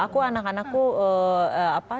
aku anak anakku apa salah satu syaratnya adalah